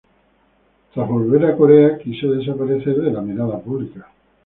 Tras volver a Corea, quiso desaparecer de la mirada pública.